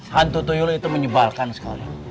hantu tuyulo itu menyebalkan sekali